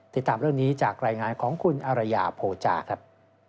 ติดตามเรื่องนี้จากรายงานของคุณอารยาโภจาครับ